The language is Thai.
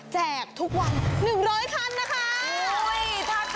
แจกทุกวัน๑๐๐คันนะคะ